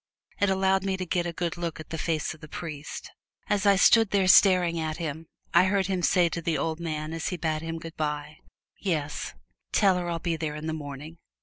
It allowed me to get a good look at the face of the priest. As I stood there staring at him I heard him say to the old man as he bade him good by, "Yes, tell her I'll be there in the morning."